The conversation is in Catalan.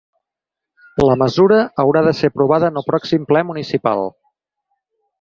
La mesura haurà de ser aprovada en un pròxim ple municipal.